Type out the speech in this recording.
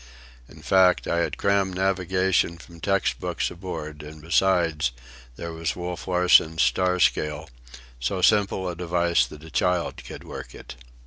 In fact, I had crammed navigation from text books aboard; and besides, there was Wolf Larsen's star scale, so simple a device that a child could work it.